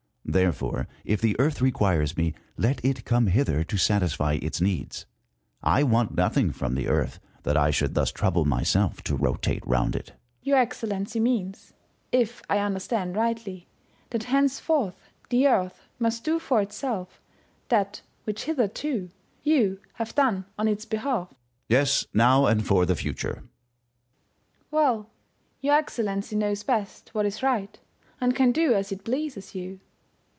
Therefore, if the Earth requires me, let it come hither to satisfy its needs. I want nothing from the Earth, that I should thus trouble myself to rotate round it. First Hour. Your Excellency means, if I understand rightly, that henceforth the Earth must do for itself that which hitherto you have done on its behalf. Sun. Yes : now and for the future. First Hour. Well, your Excellency knows best what is right, and can do as it pleases you.